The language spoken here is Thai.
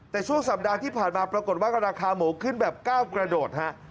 แต่ช่วงสัปดาห์ที่ผ่านมาปรากฏว่าราคาหมูขึ้นแบบ๙กระโดดฮะ